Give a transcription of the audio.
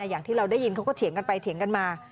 อย่างที่เราได้ยินเขาก็เถียงกันไปเถียงกันมา